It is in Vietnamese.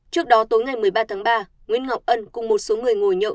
trước đó tối ngày một mươi ba tháng ba nguyễn ngọc ân cùng một số người ngồi nhậu